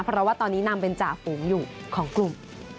เพราะว่าตอนนี้นำเป็นจ่าฝูงอยู่ของกลุ่ม